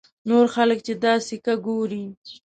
نور خلک چې دا سکه ګوري.